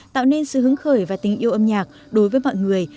tạo nên sự hứng khởi và tình yêu âm nhạc đối với mọi người